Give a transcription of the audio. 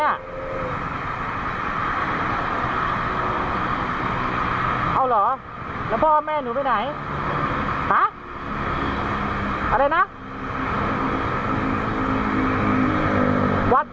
หาวัดไหนว่าแสงสุขหรอเกมไปทำอะไรอ่ะเล่นเอาแล้วทำไมทิ้งหนูทั้งคนเดียวอ่ะไปดี